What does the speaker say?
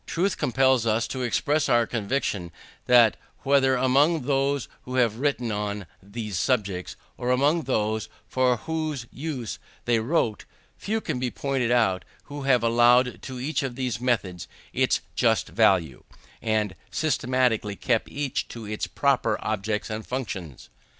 Truth compels us to express our conviction that whether among those who have written on, these subjects, or among those for whose use they wrote, few can be pointed out who have allowed to each of these methods its just value, and systematically kept each to its proper objects and functions.